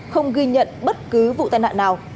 không ghi nhận bất cứ vụ tai nạn nào